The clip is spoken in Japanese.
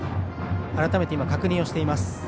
改めて確認をしています。